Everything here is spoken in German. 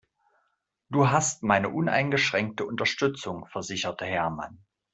Du hast meine uneingeschränkte Unterstützung, versicherte Hermann.